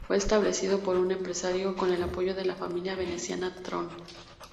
Fue establecido por un empresario con el apoyo de la familia veneciana Tron.